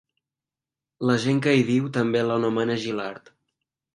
La gent que hi viu també l'anomena Jilard.